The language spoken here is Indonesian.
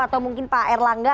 atau mungkin pak erlangga